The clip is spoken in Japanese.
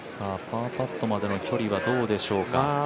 パーパットまでの距離はどうでしょうか。